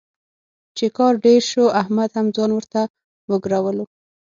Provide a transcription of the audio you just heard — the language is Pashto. چې کار ډېر شو، احمد هم ځان ورته وګرولو.